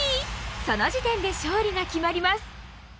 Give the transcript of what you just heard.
その時点で勝利が決まります。